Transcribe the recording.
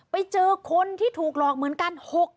ไปเจอคนที่ถูกหลอกเหมือนกัน